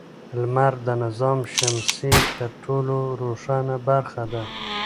لمر د نظام شمسي تر ټولو روښانه برخه ده.